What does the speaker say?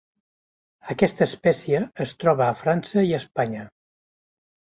Aquesta espècie es troba a França i Espanya.